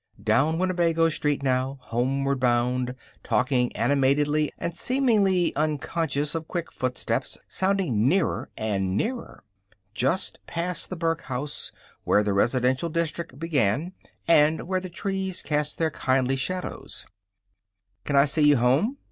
Down Winnebago Street now, homeward bound, talking animatedly and seemingly unconscious of quick footsteps sounding nearer and nearer. Just past the Burke House, where the residential district began, and where the trees cast their kindly shadows: "Can I see you home?"